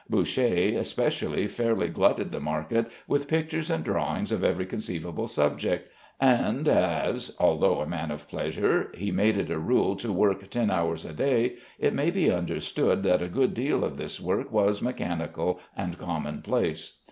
Boucher especially fairly glutted the market with pictures and drawings of every conceivable subject, and as (although a man of pleasure) he made it a rule to work ten hours a day, it may be understood that a good deal of this work was mechanical and commonplace.